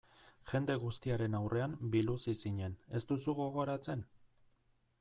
Jende guztiaren aurrean biluzi zinen, ez duzu gogoratzen?